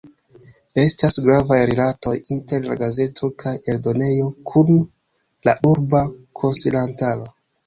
Estas gravaj rilatoj inter la gazeto kaj eldonejo kun la urba konsilantaro.